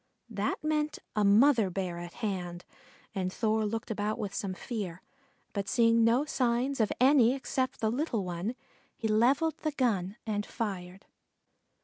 That meant a mother Bear at hand, and Thor looked about with some fear, but seeing no signs of any except the little one, he levelled the gun and fired.